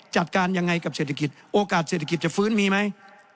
จัดการยังไงกับเศรษฐกิจโอกาสเศรษฐกิจจะฟื้นมีไหม